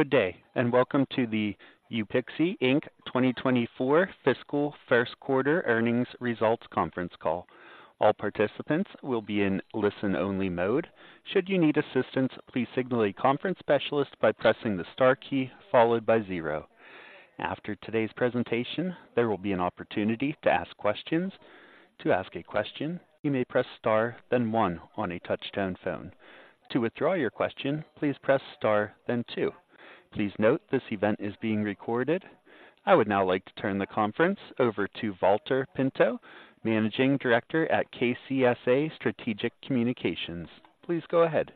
Good day, and welcome to the Upexi Inc. 2024 fiscal first quarter earnings results conference call. All participants will be in listen-only mode. Should you need assistance, please signal a conference specialist by pressing the star key followed by 0. After today's presentation, there will be an opportunity to ask questions. To ask a question, you may press star, then 1 on a touchtone phone. To withdraw your question, please press star, then 2. Please note, this event is being recorded. I would now like to turn the conference over to Valter Pinto, Managing Director at KCSA Strategic Communications. Please go ahead.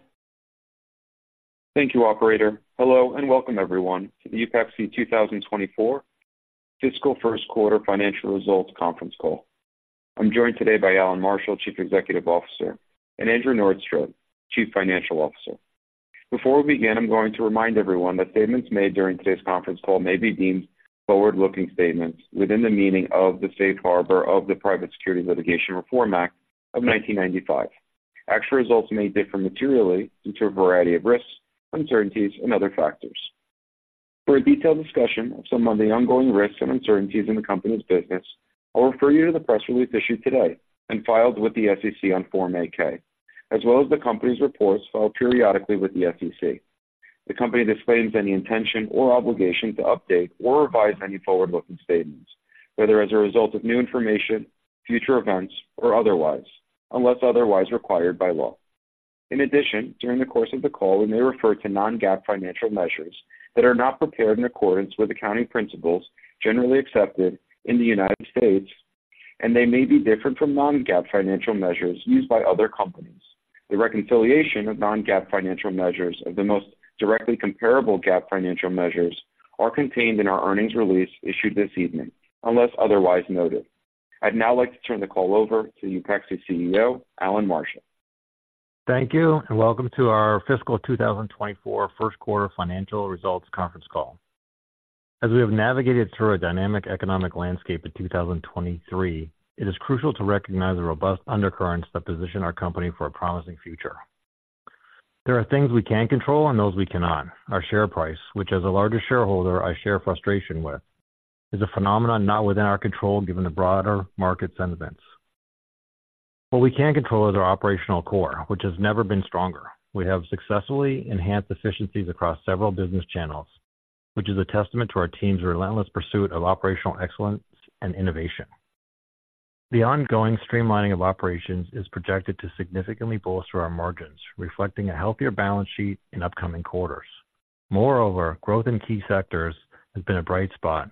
Thank you, operator. Hello, and welcome everyone to the Upexi 2024 fiscal first quarter financial results conference call. I'm joined today by Allan Marshall, Chief Executive Officer, and Andrew Norstrud, Chief Financial Officer. Before we begin, I'm going to remind everyone that statements made during today's conference call may be deemed forward-looking statements within the meaning of the Safe Harbor of the Private Securities Litigation Reform Act of 1995. Actual results may differ materially due to a variety of risks, uncertainties, and other factors. For a detailed discussion of some of the ongoing risks and uncertainties in the company's business, I'll refer you to the press release issued today and filed with the SEC on Form 8-K, as well as the company's reports filed periodically with the SEC. The company disclaims any intention or obligation to update or revise any forward-looking statements, whether as a result of new information, future events, or otherwise, unless otherwise required by law. In addition, during the course of the call, we may refer to non-GAAP financial measures that are not prepared in accordance with accounting principles generally accepted in the United States, and they may be different from non-GAAP financial measures used by other companies. The reconciliation of non-GAAP financial measures of the most directly comparable GAAP financial measures are contained in our earnings release issued this evening, unless otherwise noted. I'd now like to turn the call over to Upexi CEO, Allan Marshall. Thank you, and welcome to our fiscal 2024 first quarter financial results conference call. As we have navigated through a dynamic economic landscape in 2023, it is crucial to recognize the robust undercurrents that position our company for a promising future. There are things we can control and those we cannot. Our share price, which as the largest shareholder I share frustration with, is a phenomenon not within our control, given the broader markets and events. What we can control is our operational core, which has never been stronger. We have successfully enhanced efficiencies across several business channels, which is a testament to our team's relentless pursuit of operational excellence and innovation. The ongoing streamlining of operations is projected to significantly bolster our margins, reflecting a healthier balance sheet in upcoming quarters. Moreover, growth in key sectors has been a bright spot,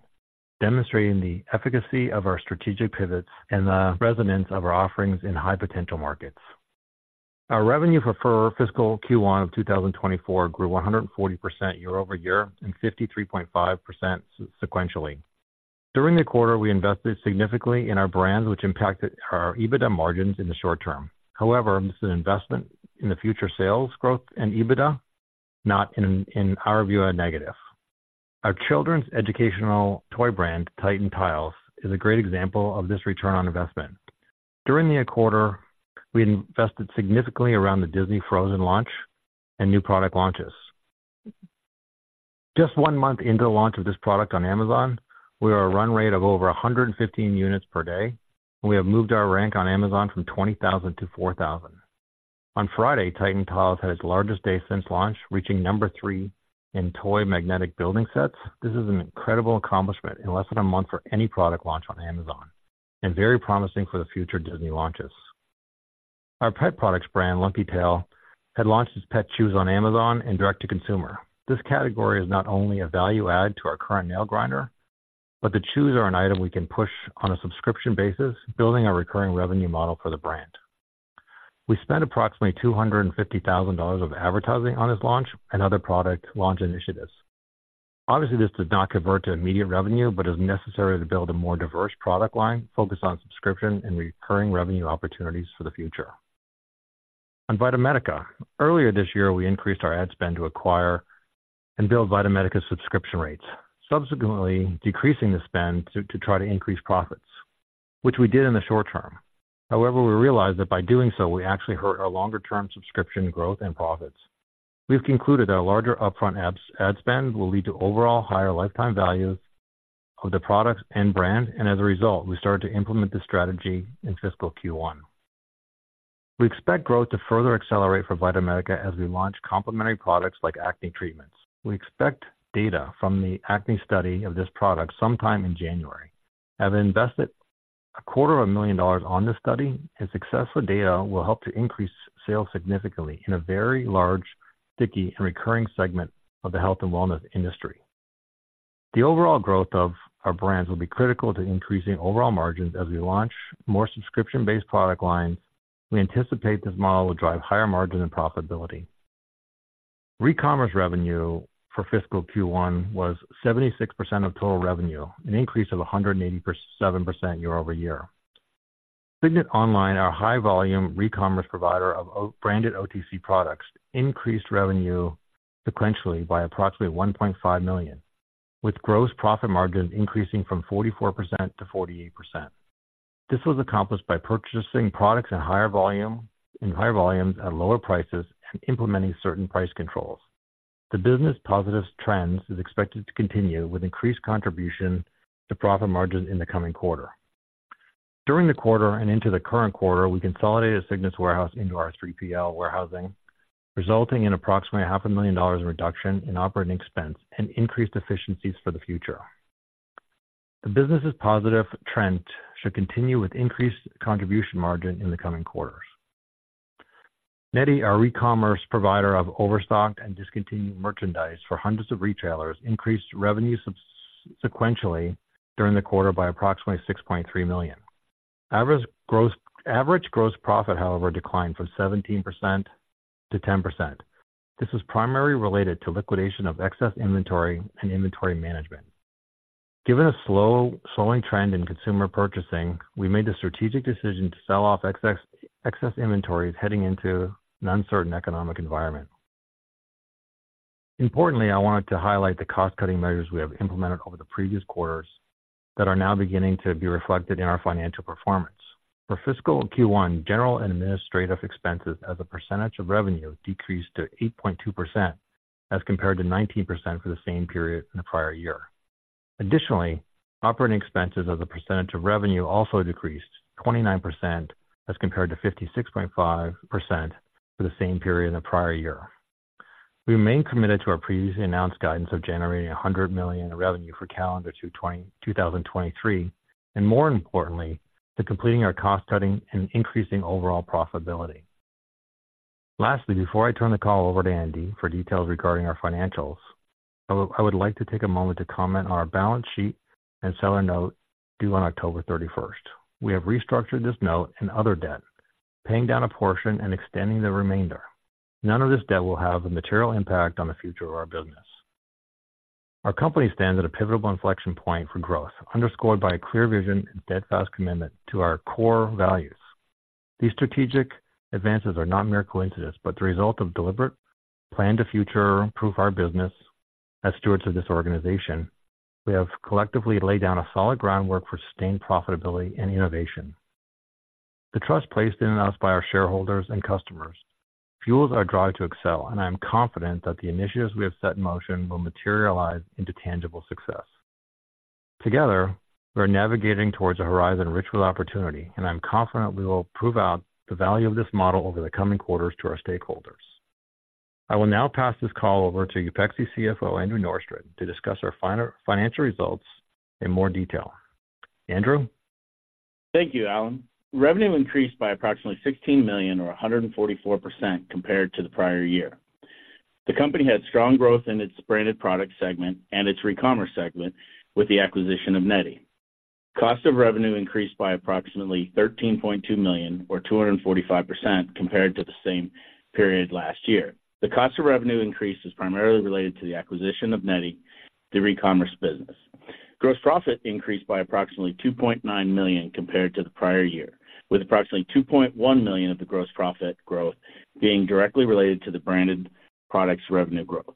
demonstrating the efficacy of our strategic pivots and the resonance of our offerings in high-potential markets. Our revenue for fiscal Q1 of 2024 grew 140% year-over-year and 53.5 sequentially. During the quarter, we invested significantly in our brands, which impacted our EBITDA margins in the short term. However, this is an investment in the future sales growth and EBITDA, not in our view, a negative. Our children's educational toy brand, Tytan Tiles, is a great example of this return on investment. During the quarter, we invested significantly around the Disney Frozen launch and new product launches. Just one month into the launch of this product on Amazon, we are at a run rate of over 115 units per day, and we have moved our rank on Amazon from 20,000 to 4,000. On Friday, Tytan Tiles had its largest day since launch, reaching number 3 in toy magnetic building sets. This is an incredible accomplishment in less than a month for any product launch on Amazon and very promising for the future Disney launches. Our pet products brand, LuckyTail, had launched its pet chews on Amazon and direct-to-consumer. This category is not only a value add to our current nail grinder, but the chews are an item we can push on a subscription basis, building a recurring revenue model for the brand. We spent approximately $250,000 of advertising on this launch and other product launch initiatives. Obviously, this does not convert to immediate revenue, but is necessary to build a more diverse product line focused on subscription and recurring revenue opportunities for the future. On VitaMedica, earlier this year, we increased our ad spend to acquire and build VitaMedica's subscription rates, subsequently decreasing the spend to try to increase profits, which we did in the short term. However, we realized that by doing so, we actually hurt our longer-term subscription growth and profits. We've concluded that a larger upfront ads, ad spend will lead to overall higher lifetime values of the products and brand, and as a result, we started to implement this strategy in fiscal Q1. We expect growth to further accelerate for VitaMedica as we launch complementary products like acne treatments. We expect data from the acne study of this product sometime in January. Have invested $250,000 on this study, and successful data will help to increase sales significantly in a very large, sticky, and recurring segment of the health and wellness industry. The overall growth of our brands will be critical to increasing overall margins. As we launch more subscription-based product lines, we anticipate this model will drive higher margin and profitability. Recommerce revenue for fiscal Q1 was 76% of total revenue, an increase of 187% year-over-year. Cygnet Online, our high-volume recommerce provider of OTC-branded OTC products, increased revenue sequentially by approximately $1.5 million, with gross profit margins increasing from 44%-48%. This was accomplished by purchasing products in higher volume, in higher volumes at lower prices and implementing certain price controls. The business positive trends is expected to continue, with increased contribution to profit margin in the coming quarter. During the quarter and into the current quarter, we consolidated Cygnet warehouse into our 3PL warehousing, resulting in approximately $500,000 in reduction in operating expense and increased efficiencies for the future. The business's positive trend should continue with increased contribution margin in the coming quarters. E-Core, our e-commerce provider of overstocked and discontinued merchandise for hundreds of retailers, increased revenues sequentially during the quarter by approximately $6.3 million. Average gross, average gross profit, however, declined from 17% to 10%. This was primarily related to liquidation of excess inventory and inventory management. Given a slow-slowing trend in consumer purchasing, we made the strategic decision to sell off excess, excess inventories heading into an uncertain economic environment. Importantly, I wanted to highlight the cost-cutting measures we have implemented over the previous quarters that are now beginning to be reflected in our financial performance. For fiscal Q1, general and administrative expenses as a percentage of revenue decreased to 8.2%, as compared to 19% for the same period in the prior year. Additionally, operating expenses as a percentage of revenue also decreased 29%, as compared to 56.5% for the same period in the prior year. We remain committed to our previously announced guidance of generating $100 million in revenue for calendar 2023, and more importantly, to completing our cost cutting and increasing overall profitability. Lastly, before I turn the call over to Andy for details regarding our financials, I would like to take a moment to comment on our balance sheet and seller note due on October 31st. We have restructured this note and other debt, paying down a portion and extending the remainder. None of this debt will have a material impact on the future of our business. Our company stands at a pivotal inflection point for growth, underscored by a clear vision and steadfast commitment to our core values. These strategic advances are not mere coincidence, but the result of deliberate plan to future-proof our business. As stewards of this organization, we have collectively laid down a solid groundwork for sustained profitability and innovation. The trust placed in us by our shareholders and customers fuels our drive to excel, and I am confident that the initiatives we have set in motion will materialize into tangible success. Together, we are navigating towards a horizon rich with opportunity, and I'm confident we will prove out the value of this model over the coming quarters to our stakeholders. I will now pass this call over to Upexi CFO, Andrew Norstrud, to discuss our financial results in more detail. Andrew? Thank you, Allan. Revenue increased by approximately $16 million or 144% compared to the prior year. The company had strong growth in its branded product segment and its Recommerce segment with the acquisition of E-Core. Cost of revenue increased by approximately $13.2 million, or 245%, compared to the same period last year. The cost of revenue increase is primarily related to the acquisition of E-Core the Recommerce business. Gross profit increased by approximately $2.9 million compared to the prior year, with approximately $2.1 million of the gross profit growth being directly related to the branded products revenue growth.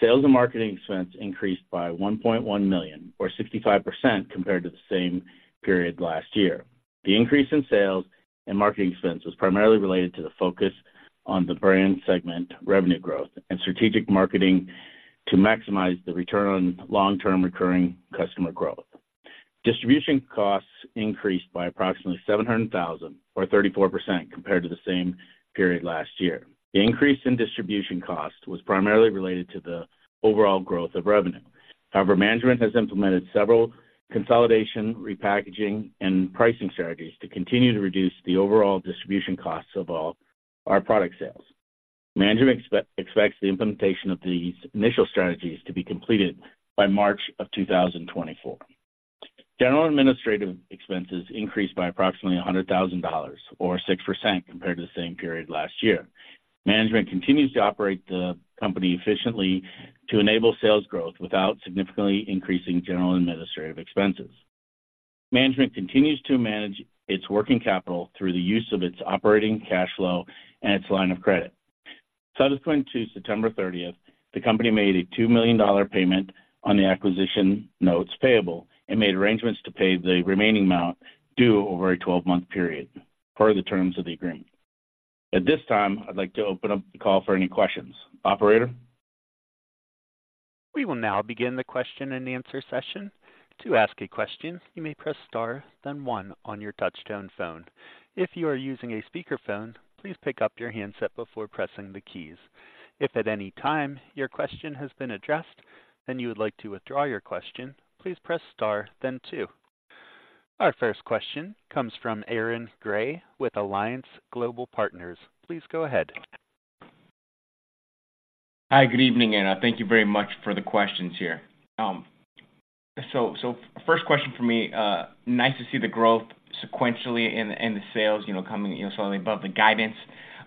Sales and marketing expense increased by $1.1 million, or 65%, compared to the same period last year. The increase in sales and marketing expense was primarily related to the focus on the brand segment, revenue growth, and strategic marketing to maximize the return on long-term recurring customer growth. Distribution costs increased by approximately $700,000, or 34%, compared to the same period last year. The increase in distribution cost was primarily related to the overall growth of revenue. However, management has implemented several consolidation, repackaging, and pricing strategies to continue to reduce the overall distribution costs of all our product sales. Management expects the implementation of these initial strategies to be completed by March of 2024. General administrative expenses increased by approximately $100,000, or 6%, compared to the same period last year. Management continues to operate the company efficiently to enable sales growth without significantly increasing general and administrative expenses. Management continues to manage its working capital through the use of its operating cash flow and its line of credit. Subsequent to September 30, the company made a $2 million payment on the acquisition notes payable and made arrangements to pay the remaining amount due over a 12-month period, per the terms of the agreement. At this time, I'd like to open up the call for any questions. Operator? We will now begin the question and answer session. To ask a question, you may press star, then one on your touchtone phone. If you are using a speakerphone, please pick up your handset before pressing the keys. If at any time your question has been addressed and you would like to withdraw your question, please press star then two. Our first question comes from Aaron Grey with Alliance Global Partners. Please go ahead. Hi, good evening, and thank you very much for the questions here. So first question for me, nice to see the growth sequentially in the sales, you know, coming, you know, slightly above the guidance.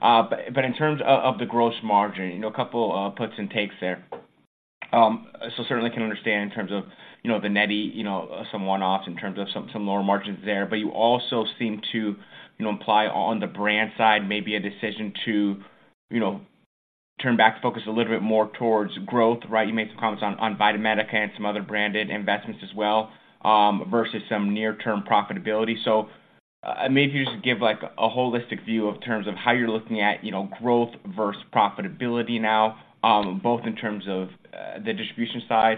But in terms of the gross margin, you know, a couple puts and takes there. So certainly can understand in terms of, you know, the neti, you know, some one-offs in terms of some lower margins there. But you also seem to, you know, imply on the brand side, maybe a decision to, you know, turn back to focus a little bit more towards growth, right? You made some comments on VitaMedica and some other branded investments as well, versus some near-term profitability. So, maybe if you just give, like, a holistic view in terms of how you're looking at, you know, growth versus profitability now, both in terms of the distribution side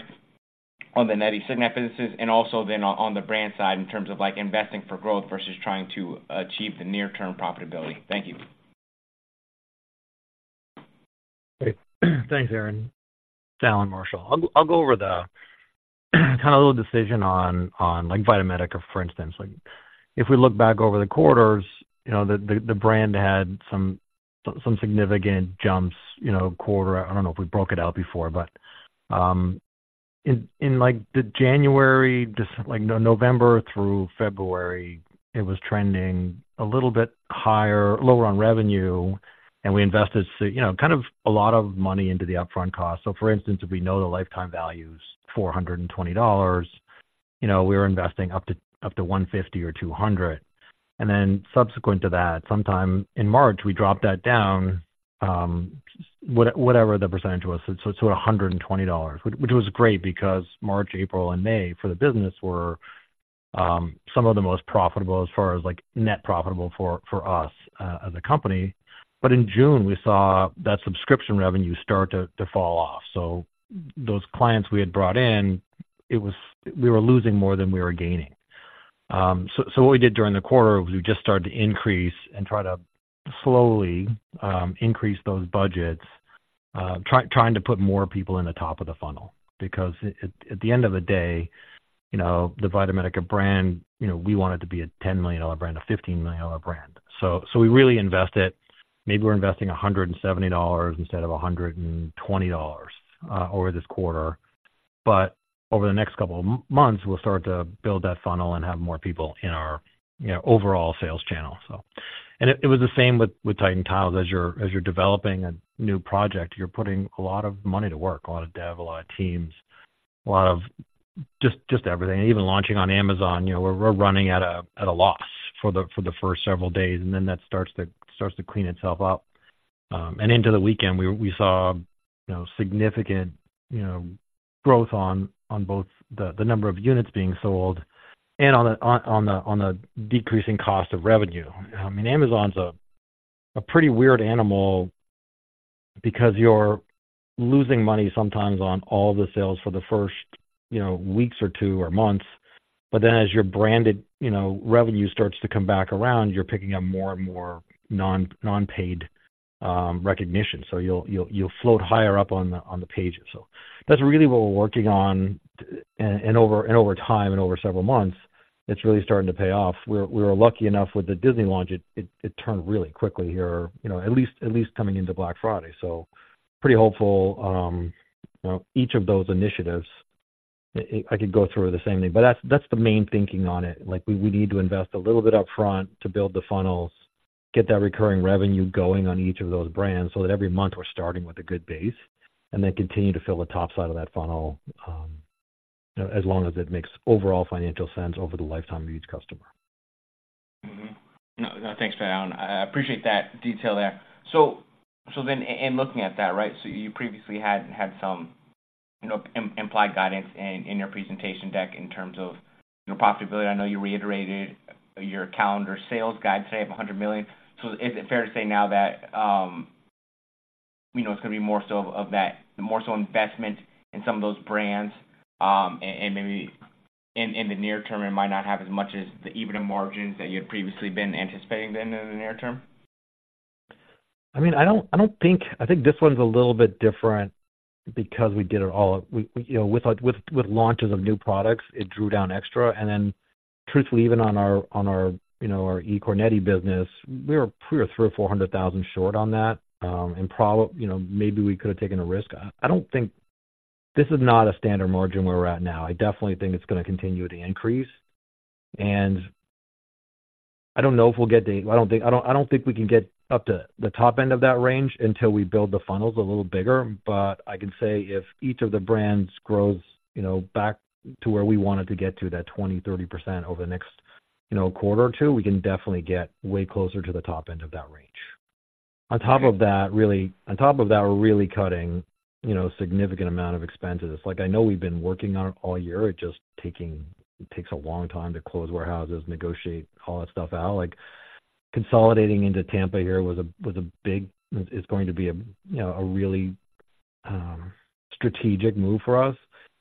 on the E-Core Cygnet businesses, and also then on, on the brand side in terms of, like, investing for growth versus trying to achieve the near-term profitability. Thank you. Thanks, Aaron. Allan Marshall. I'll go over the kind of a little decision on, on, like, VitaMedica, for instance. Like, if we look back over the quarters, you know, the brand had some significant jumps, you know, quarter. I don't know if we broke it out before, but in, in, like, the January, like, November through February, it was trending a little bit higher, lower on revenue, and we invested so, you know, kind of a lot of money into the upfront cost. So for instance, if we know the lifetime value is $420, you know, we were investing up to, up to $150 or $200. And then subsequent to that, sometime in March, we dropped that down, whatever the percentage was. So a hundred and twenty dollars, which was great because March, April, and May for the business were some of the most profitable as far as, like, net profitable for us as a company. But in June, we saw that subscription revenue start to fall off. So those clients we had brought in, it was. We were losing more than we were gaining. So what we did during the quarter was we just started to increase and try to slowly increase those budgets, trying to put more people in the top of the funnel. Because at the end of the day, you know, the VitaMedica brand, you know, we want it to be a $10 million brand, a $15 million brand. So we really invest it. Maybe we're investing $170 instead of $120 over this quarter, but over the next couple of months, we'll start to build that funnel and have more people in our, you know, overall sales channel so. And it was the same with Tytan Tiles. As you're developing a new project, you're putting a lot of money to work, a lot of dev, a lot of teams, a lot of just everything. Even launching on Amazon, you know, we're running at a loss for the first several days, and then that starts to clean itself up. And into the weekend, we saw, you know, Cygnet, you know, growth on both the number of units being sold and on the decreasing cost of revenue. I mean, Amazon's a pretty weird animal because you're losing money sometimes on all the sales for the first, you know, weeks or two or months, but then as your branded, you know, revenue starts to come back around, you're picking up more and more non-paid recognition. So you'll float higher up on the pages. So that's really what we're working on, and over time and over several months, it's really starting to pay off. We were lucky enough with the Disney launch. It turned really quickly here, you know, at least coming into Black Friday. So pretty hopeful, you know, each of those initiatives, I could go through the same thing, but that's the main thinking on it. Like, we would need to invest a little bit upfront to build the funnels, get that recurring revenue going on each of those brands so that every month we're starting with a good base, and then continue to fill the top side of that funnel, as long as it makes overall financial sense over the lifetime of each customer. Mm-hmm. No, no, thanks, Allan. I appreciate that detail there. So, so then in looking at that, right, so you previously had, had some, you know, implied guidance in, in your presentation deck in terms of your profitability. I know you reiterated your calendar sales guide today of $100 million. So is it fair to say now that, you know, it's gonna be more so of that, more so investment in some of those brands, and, and maybe in, in the near term, it might not have as much as the EBITDA margins that you had previously been anticipating then in the near term? I mean, I don't think... I think this one's a little bit different because we did it all. We, you know, with launches of new products, it drew down extra. And then truthfully, even on our, on our, you know, our e-commerce business, we were $300,000-$400,000 short on that. And you know, maybe we could have taken a risk. I don't think this is not a standard margin where we're at now. I definitely think it's gonna continue to increase, and I don't know if we'll get the-- I don't think we can get up to the top end of that range until we build the funnels a little bigger. But I can say if each of the brands grows, you know, back to where we wanted to get to, that 20%-30% over the next, you know, quarter or two, we can definitely get way closer to the top end of that range. On top of that, really, on top of that, we're really cutting, you know, significant amount of expenses. Like, I know we've been working on it all year. It just takes a long time to close warehouses, negotiate all that stuff out. Like, consolidating into Tampa here was a big. It's going to be a, you know, a really strategic move for us.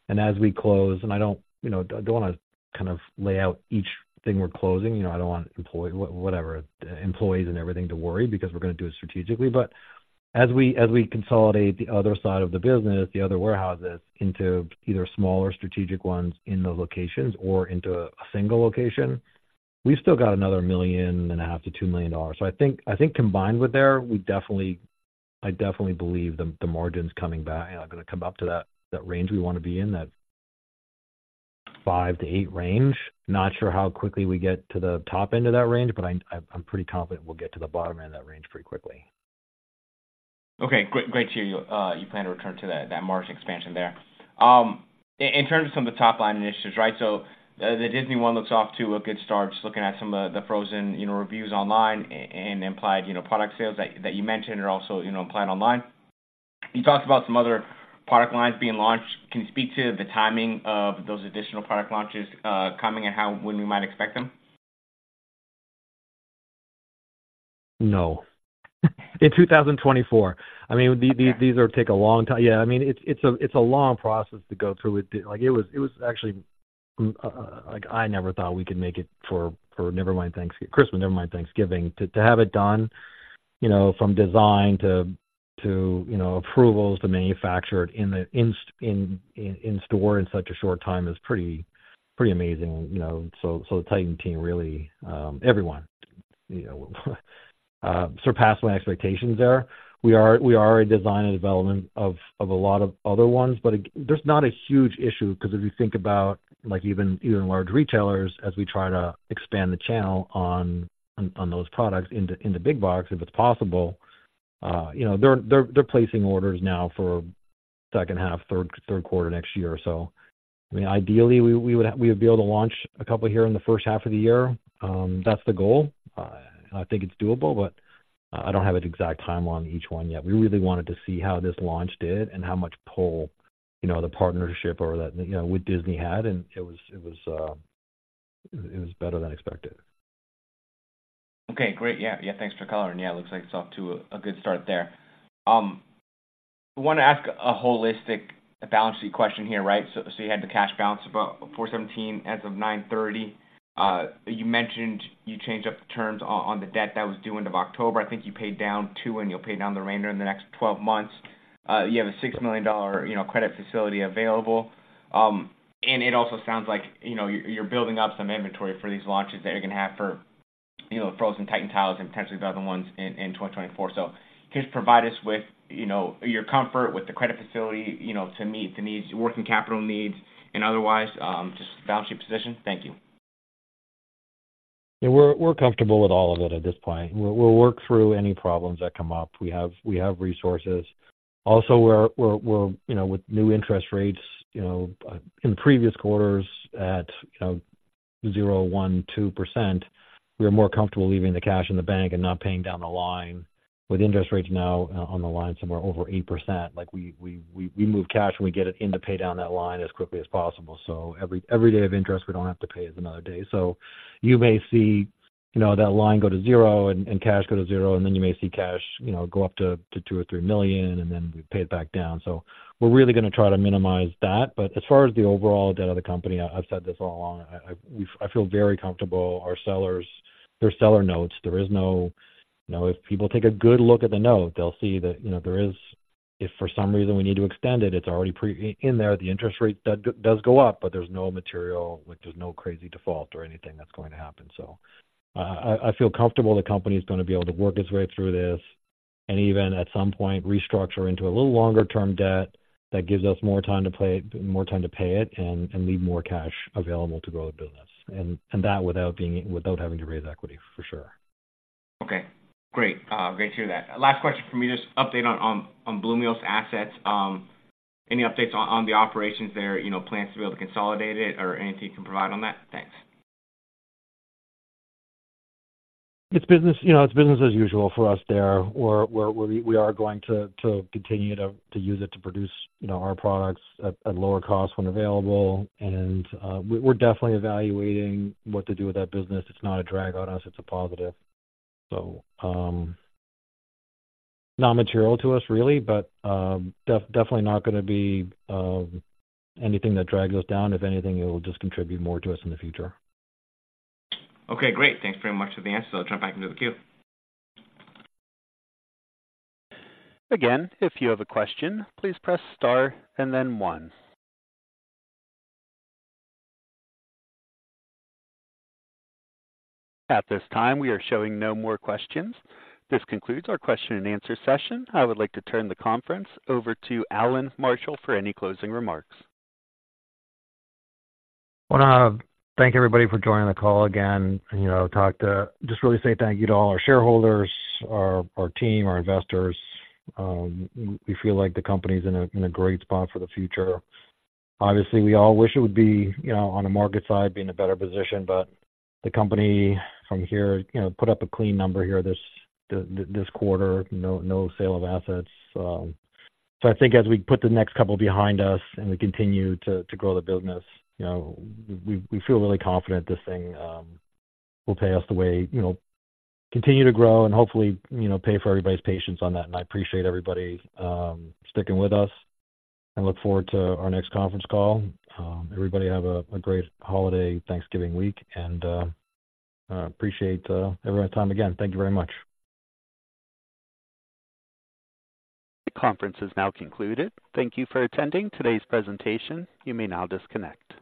And as we close, and I don't, you know, I don't want to kind of lay out each thing we're closing. You know, I don't want employees and everything to worry because we're gonna do it strategically. But as we consolidate the other side of the business, the other warehouses, into either smaller strategic ones in the locations or into a single location, we've still got another $1.5 million-$2 million. So I think combined with there, we definitely, I definitely believe the margin's coming back, gonna come up to that range we want to be in, that 5%-8% range. Not sure how quickly we get to the top end of that range, but I'm pretty confident we'll get to the bottom end of that range pretty quickly. Okay, great, great to hear you plan to return to that margin expansion there. In terms of some of the top line initiatives, right? So the Disney one looks off to a good start. Just looking at some of the Frozen, you know, reviews online and implied, you know, product sales that you mentioned are also, you know, implied online. You talked about some other product lines being launched. Can you speak to the timing of those additional product launches coming and how, when we might expect them? No. In 2024. I mean, these take a long time. Yeah, I mean, it's a long process to go through with Disney. Like, it was actually like, I never thought we could make it for, never mind Thanksgiving, Christmas, never mind Thanksgiving. To have it done, you know, from design to you know approvals to manufacture it in the in-store in such a short time is pretty amazing, you know. So the Titan team really everyone you know surpassed my expectations there. We are a design and development of a lot of other ones, but there's not a huge issue, because if you think about, like even large retailers, as we try to expand the channel on those products in the big box, if it's possible, you know, they're placing orders now for second half, third quarter next year or so. I mean, ideally, we would be able to launch a couple here in the first half of the year. That's the goal. I think it's doable, but I don't have an exact timeline on each one yet. We really wanted to see how this launch did and how much pull, you know, the partnership or that, you know, with Disney had, and it was better than expected. Okay, great. Yeah, yeah, thanks for calling. Yeah, it looks like it's off to a good start there. I want to ask a holistic balance sheet question here, right? So you had the cash balance of about $417,000 as of 9/30. You mentioned you changed up the terms on the debt that was due end of October. I think you paid down $2 million, and you'll pay down the remainder in the next 12 months. You have a $6 million, you know, credit facility available. And it also sounds like, you know, you're building up some inventory for these launches that you're gonna have for, you know, Frozen Tytan Tiles and potentially the other ones in 2024. Just provide us with, you know, your comfort with the credit facility, you know, to meet the needs, working capital needs and otherwise, just balance sheet position? Thank you. Yeah, we're comfortable with all of it at this point. We'll work through any problems that come up. We have resources. Also, we're you know, with new interest rates, you know, in previous quarters at you know, 0, 1, 2%, we are more comfortable leaving the cash in the bank and not paying down the line. With interest rates now on the line, somewhere over 8%, like we move cash and we get it in to pay down that line as quickly as possible. So every day of interest we don't have to pay is another day. So you may see you know, that line go to $0 and cash go to $0, and then you may see cash you know, go up to $2 million or $3 million, and then we pay it back down. So we're really going to try to minimize that. But as far as the overall debt of the company, I've said this all along. I feel very comfortable. Our sellers' seller notes, there is no. You know, if people take a good look at the note, they'll see that, you know, there is, if for some reason we need to extend it, it's already pre in there. The interest rate does go up, but there's no material, like, there's no crazy default or anything that's going to happen. So I feel comfortable the company is going to be able to work its way through this and even at some point restructure into a little longer-term debt that gives us more time to play, more time to pay it, and leave more cash available to grow the business. And that without being, without having to raise equity, for sure. Okay, great. Great to hear that. Last question for me, just update on Bloomios assets. Any updates on the operations there, you know, plans to be able to consolidate it or anything you can provide on that? Thanks. It's business, you know, it's business as usual for us there. We're going to continue to use it to produce, you know, our products at lower cost when available, and we're definitely evaluating what to do with that business. It's not a drag on us, it's a positive. So, non-material to us, really, but definitely not gonna be anything that drags us down. If anything, it will just contribute more to us in the future. Okay, great. Thanks very much for the answer. I'll jump back into the queue. Again, if you have a question, please press Star and then one. At this time, we are showing no more questions. This concludes our question and answer session. I would like to turn the conference over to Allan Marshall for any closing remarks. I want to thank everybody for joining the call again, and you know just really say thank you to all our shareholders, our team, our investors. We feel like the company is in a great spot for the future. Obviously, we all wish it would be, you know, on the market side, be in a better position, but the company from here, you know, put up a clean number here, this quarter. No sale of assets. So I think as we put the next couple behind us and we continue to grow the business, you know, we feel really confident this thing will pay us the way, you know, continue to grow and hopefully, you know, pay for everybody's patience on that. And I appreciate everybody sticking with us and look forward to our next conference call. Everybody, have a great holiday, Thanksgiving week, and I appreciate everyone's time. Again, thank you very much. The conference is now concluded. Thank you for attending today's presentation. You may now disconnect.